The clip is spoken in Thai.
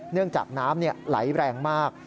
เนื่องจากน้ำไหลแรงมาก